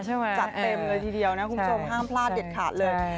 จัดเต็มเลยทีเดียวนะคุณผู้ชมห้ามพลาดเด็ดขาดเลย